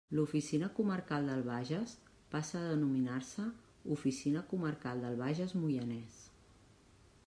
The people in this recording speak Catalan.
L'Oficina Comarcal del Bages passa a denominar-se Oficina Comarcal del Bages – Moianès.